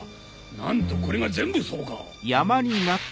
なんとこれが全部そうか！